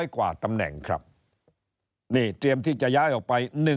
กว่าตำแหน่งครับนี่เตรียมที่จะย้ายออกไป